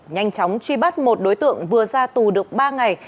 nhanh chóng truy bắt một đối tượng vừa ra tù được ba ngày